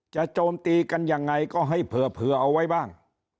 โจมตีกันยังไงก็ให้เผื่อเอาไว้บ้าง